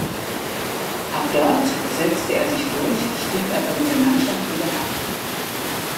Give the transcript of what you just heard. Auch dort setzte er sich durch, stieg aber mit der Mannschaft wieder ab.